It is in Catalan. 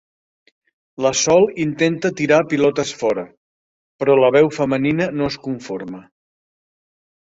La Sol intenta tirar pilotes fora, però la veu femenina no es conforma.